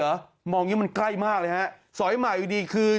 มองอย่างงี้มันใกล้มากเลยฮะสอยใหม่อยู่ดีคือ